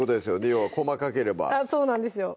要は細かければあっそうなんですよ